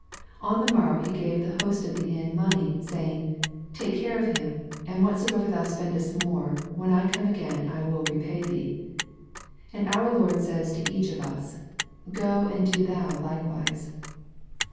On the morrow he gave the host of the inn money, saying, " Take care of him, and whatsoever thou spendest more, when I come again I will repay thee." ^ And our Lord says to each of us, Go and do thou likewise.'